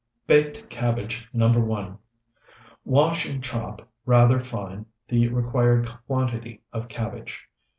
BAKED CABBAGE NO. 1 Wash and chop rather fine the required quantity of cabbage.